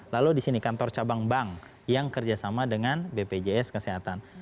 lalu di sini kantor cabang bank yang kerjasama dengan bpjs kesehatan